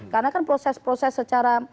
karena kan proses proses secara